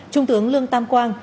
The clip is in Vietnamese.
trung tướng lương tam quang